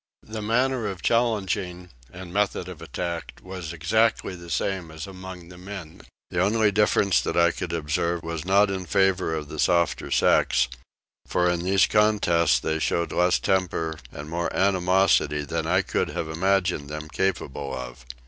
The manner of challenging and method of attack was exactly the same as among the men. The only difference that I could observe was not in favour of the softer sex; for in these contests they showed less temper and more animosity than I could have imagined them capable of.